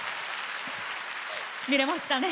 見れましたね。